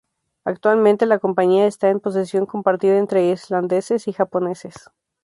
Actualmente la compañía está en posesión compartida entre islandeses y japoneses.